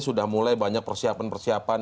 sudah mulai banyak persiapan persiapan